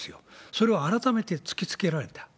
それを改めて突きつけられた。